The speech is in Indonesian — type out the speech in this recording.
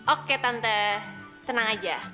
oke tante tenang aja